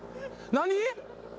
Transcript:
何？